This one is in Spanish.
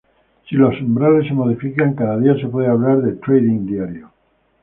Si los umbrales se modifican cada día se puede hablar de Trading diario.